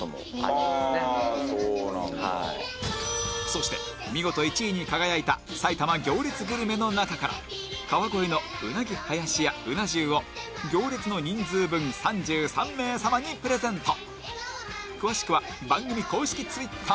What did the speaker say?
そして見事１位に輝いた埼玉行列グルメの中から川越のうなぎ林屋うな重を行列の人数分３３名様にプレゼント